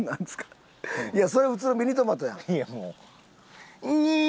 いやそれ普通のミニトマトやん。